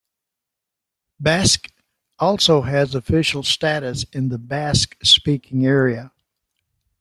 Basque also has official status in the Basque-speaking area.